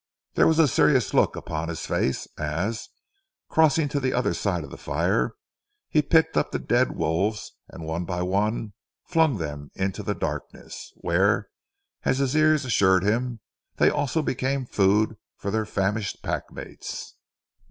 There was a serious look upon his face, as, crossing to the other side of the fire, he picked up the dead wolves, and one by one flung them into the darkness, where as his ears assured him they also became food for their famished pack mates.